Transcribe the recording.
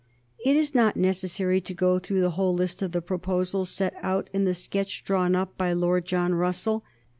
It is not necessary to go through the whole list of the proposals set out in the sketch drawn up by Lord John Russell.